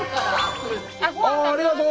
あありがとう！